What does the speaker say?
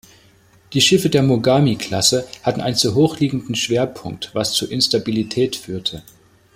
Die Schiffe der "Mogami"-Klasse hatten einen zu hoch liegenden Schwerpunkt, was zu Instabilität führte.